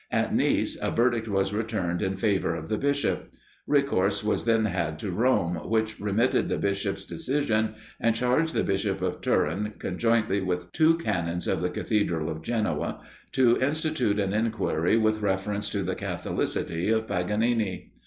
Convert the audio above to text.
At Nice, a verdict was returned in favour of the Bishop. Recourse was then had to Rome, which remitted the Bishop's decision, and charged the Bishop of Turin, conjointly with two Canons of the Cathedral of Genoa, to institute an inquiry with reference to the catholicity of Paganini.